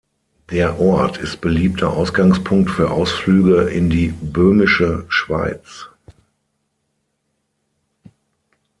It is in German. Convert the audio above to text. Der Ort ist beliebter Ausgangspunkt für Ausflüge in die Böhmische Schweiz.